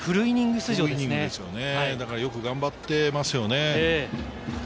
出場よく頑張ってますよね。